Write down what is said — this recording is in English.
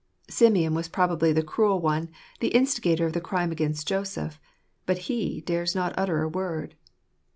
Simeon was probably the cruel one, the instigator of the crime against Joseph; but he dares not utter a word.